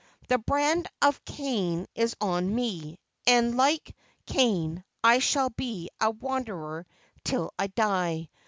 The brand of Cain is on me : and, like Cain, I shall be a wanderer till I die.